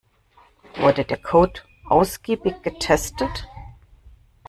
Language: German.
Wurde der Code ausgiebig getestet?